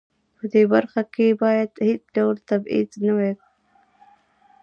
په دې برخه کې باید هیڅ ډول تبعیض نه وي.